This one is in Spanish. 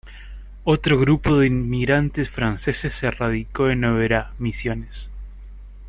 Otro grupo de inmigrantes franceses se radicó en Oberá, Misiones.